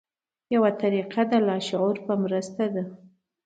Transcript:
یوه طریقه د لاشعور په مرسته ده.